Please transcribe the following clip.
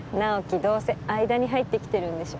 どうせ間に入ってきてるんでしょ